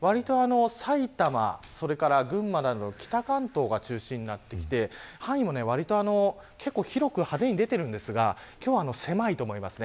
埼玉、それから群馬などの北関東が中心となってきて範囲もわりと、広く派手に広く出ているんですが今日は狭いと思います。